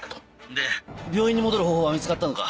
で病院に戻る方法は見つかったのか？